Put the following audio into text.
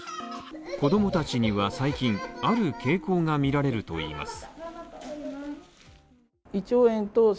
子供たちには最近、ある傾向が見られるといいます。